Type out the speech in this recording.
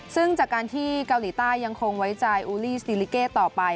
ซึ่งจากการที่เกาหลีใต้ยังคงไว้ใจอูลีสติลิเกต่อไป